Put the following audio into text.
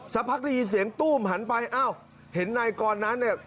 สักพักได้ยินเสียงตู้มหันไปอ้าวเห็นนายกรนั้นเนี่ย